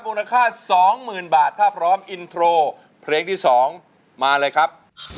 มูลค่า๒๐๐๐บาทถ้าพร้อมอินโทรเพลงที่๒มาเลยครับ